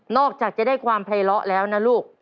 นอกจากจะได้ความไพร้เลาะแล้วนะลูก